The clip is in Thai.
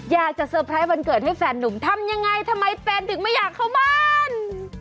เซอร์ไพรส์วันเกิดให้แฟนนุ่มทำยังไงทำไมแฟนถึงไม่อยากเข้าบ้าน